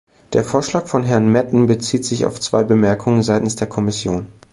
Der Vorschlag von Herrn Metten bezieht sich auf zwei Bemerkungen seitens der Kommission.